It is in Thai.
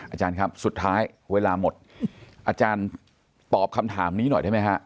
อาจารย์ครับสุดท้ายเวลาหมดอาจารย์ตอบคำถามนี้หน่อยได้ไหมฮะ